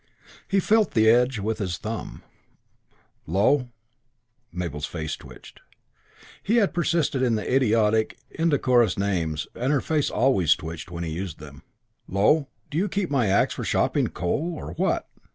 He felt the edge with his thumb. "Low" Mabel's face twitched. He had persisted in the idiotic and indecorous names, and her face always twitched when he used them "Low, do you keep my axe for chopping coal or what?"